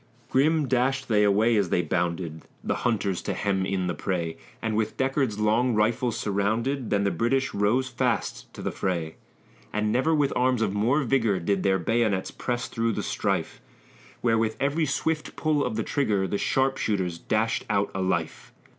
Grim dashed they away as they bounded, The hunters to hem in the prey, And, with Deckard's long rifles surrounded, Then the British rose fast to the fray; And never with arms of more vigor Did their bayonets press through the strife. Where, with every swift pull of the trigger, The sharpshooters dashed out a life!